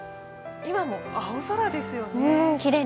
今も青空ですよね。